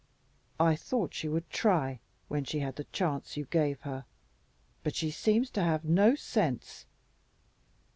I thought she would try, when she had the chance you gave her, but she seems to have no sense."